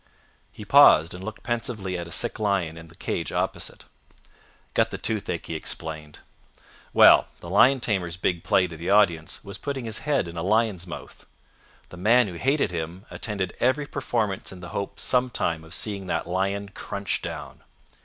He paused and looked pensively at a sick lion in the cage opposite. "Got the toothache," he explained. "Well, the lion tamer's big play to the audience was putting his head in a lion's mouth. The man who hated him attended every performance in the hope sometime of seeing that lion crunch down.